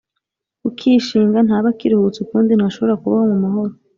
Ukishinga, ntaba akiruhutse ukundi, ntashobora kubaho mu mahoro.